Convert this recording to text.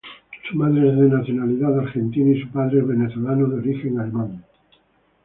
Su madre es de nacionalidad argentina y su padre es venezolano de origen alemán.